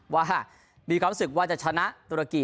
พร้อมสู้เต็มที่